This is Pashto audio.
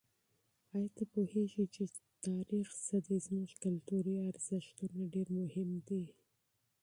آیا ته پوهېږې چې تاریخ څه دی؟ زموږ کلتوري ارزښتونه ډېر مهم دي.